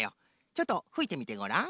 ちょっとふいてみてごらん。